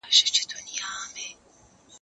ما د سبا لپاره د سوالونو جواب ورکړی دی..